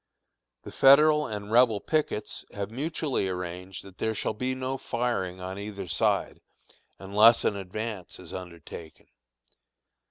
The Federal and Rebel pickets have mutually arranged that there shall be no firing on either side, unless an advance is undertaken.